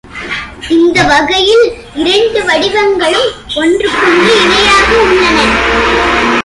இந்த வகையில், இரண்டு வடிவங்களும் ஒன்றுக்கொன்று இணையாக உள்ளன.